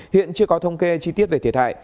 hiện chưa có thông kê chi tiết về thiệt hại